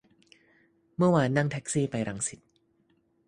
เมื่อวานนั่งแท็กซี่ไปรังสิต